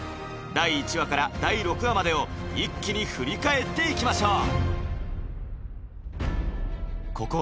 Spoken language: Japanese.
第１話から第６話までを一気に振り返っていきましょう